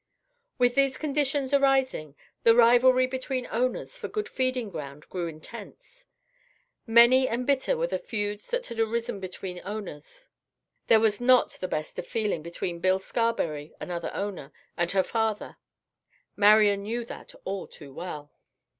With these conditions arising, the rivalry between owners for good feeding ground grew intense. Many and bitter were the feuds that had arisen between owners. There was not the best of feeling between Bill Scarberry, another owner, and her father; Marian knew that all too well.